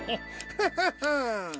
フフフン。